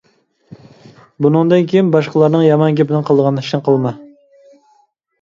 بۇنىڭدىن كېيىن باشقىلارنىڭ يامان گېپىنى قىلىدىغان ئىشنى قىلما!